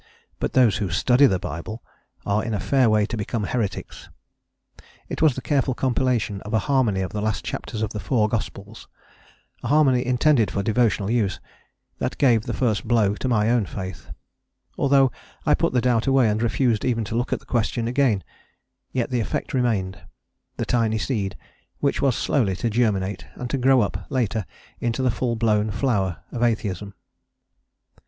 But those who study the Bible are in a fair way to become heretics. It was the careful compilation of a harmony of the last chapters of the four Gospels a harmony intended for devotional use that gave the first blow to my own faith; although I put the doubt away and refused even to look at the question again, yet the effect remained the tiny seed, which was slowly to germinate and to grow up, later, into the full blown flower of Atheism.